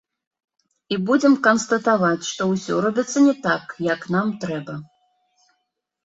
І будзем канстатаваць, што ўсё робіцца не так, як нам трэба.